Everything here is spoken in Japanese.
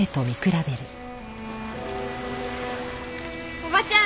おばちゃん